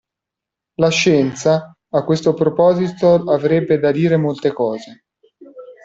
La scienza, a questo proposito avrebbe da dire molte cose.